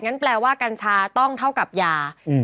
อย่างนั้นแปลว่ากัญชาต้องเท่ากับยาอืม